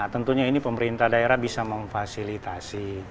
tentunya ini pemerintah daerah bisa memfasilitasi